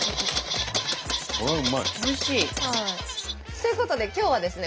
ということで今日はですね